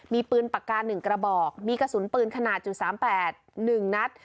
มีปืนปากการหนึ่งกระบอกมีกระสุนปืนขนาด๐๓๘หนึ่งนัด